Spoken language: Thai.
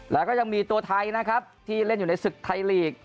แล้วก็ยังมีตัวไทยนะครับที่เล่นอยู่ในศึกไทยลีก